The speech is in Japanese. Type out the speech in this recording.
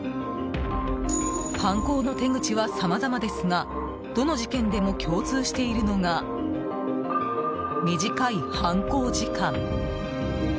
犯行の手口はさまざまですがどの事件でも共通しているのが短い犯行時間。